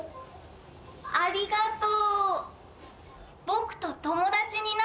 ありがとう。